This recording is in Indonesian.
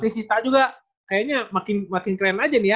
saya sita juga kayaknya makin keren aja nih ya